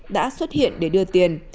đã xuất hiện để đưa tiền